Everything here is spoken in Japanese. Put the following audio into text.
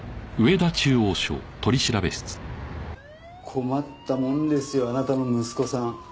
困ったもんですよあなたの息子さん。